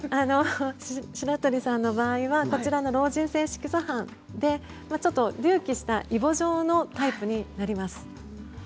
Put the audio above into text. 白鳥さんの場合は老人性色素斑でちょっと隆起したイボ状のタイプになります。